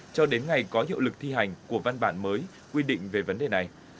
cho đến ngày có hiệu lực thi hành của văn bản mới quy định về vấn đề này